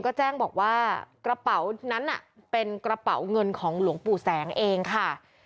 ก็แจ้งบอกว่ากระเป๋านั้นเป็นกระเป๋าเงินของหลวงปู่แสงเองค่ะ